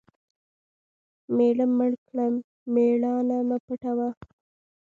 مېړه مړ کړه مېړانه مه پوټوه .